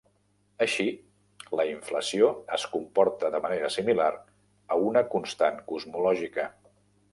Així, la inflació es comporta de manera similar a una constant cosmològica.